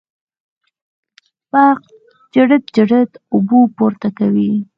برق چړت چړت اوبه پورته کوي.